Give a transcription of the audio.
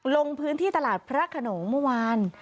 ลงพื้นที่ตลาดพระขนงเมื่อวาน